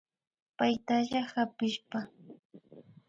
Paytalla kapishpa